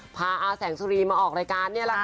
พาอาแสงสุรีมาออกรายการนี่แหละค่ะ